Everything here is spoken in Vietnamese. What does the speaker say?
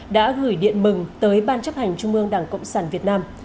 đã gửi điện mừng tới ban chấp hành trung ương đảng cộng sản việt nam